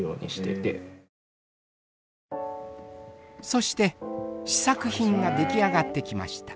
そして試作品が出来上がってきました。